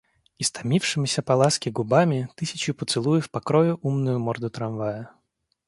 Истомившимися по ласке губами тысячью поцелуев покрою умную морду трамвая.